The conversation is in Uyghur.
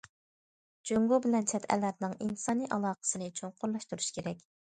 جۇڭگو بىلەن چەت ئەللەرنىڭ ئىنسانىي ئالاقىسىنى چوڭقۇرلاشتۇرۇش كېرەك.